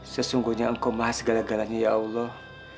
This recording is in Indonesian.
sesungguhnya engkau mahas gala galanya ya allah